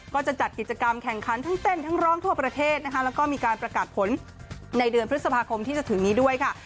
ก็จะจัดกิจกรรมแข่งขันทั้งเต้นทั้งร้องทั่วประเทศนะคะแล้วก็มีการประกาศผลในเดือนพฤษภาคมที่จะถึงนี้ด้วยค่ะ